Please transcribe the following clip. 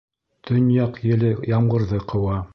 Төньяҡ еле ямғырҙы ҡыуа.